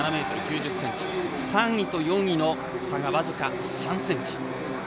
３位と４位の差は僅か３ｃｍ。